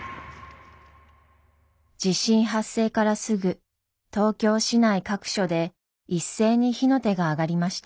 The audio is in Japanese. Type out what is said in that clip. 地震発生からすぐ東京市内各所で一斉に火の手が上がりました。